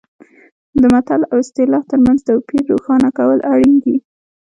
د متل او اصطلاح ترمنځ توپیر روښانه کول اړین دي